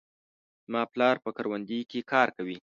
زما پلار په کروندې کې کار کوي.